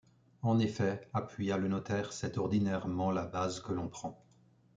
En effet, appuya le notaire, c’est ordinairement la base que l’on prend.